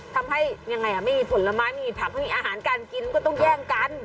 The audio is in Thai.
ทำให้ยังไงไม่มีผลไม้มีผักไม่มีอาหารการกินก็ต้องแย่งกัน